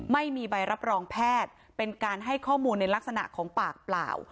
ไม่มีใบรับรองแพทย์เป็นการให้ข้อมูลในลักษณะของปากเปล่า